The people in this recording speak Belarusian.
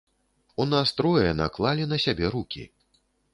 У нас трое наклалі на сябе рукі.